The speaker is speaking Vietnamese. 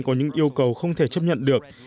có những yêu cầu không thể chấp nhận được